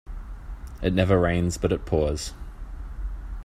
It never rains but it pours.